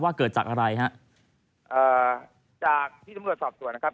ว่าเกิดจากอะไรฮะจากที่ทำรวจสอบตรวจนะครับ